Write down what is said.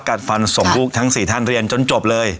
กัดฟันส่งลูกทั้ง๔ท่านเรียนจนจบเลย